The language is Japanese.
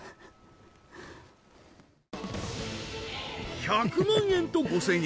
１００万円と５０００円